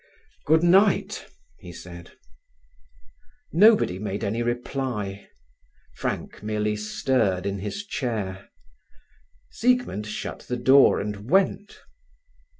"Good night!" he said. Nobody made any reply. Frank merely stirred in his chair. Siegmund shut the door and went.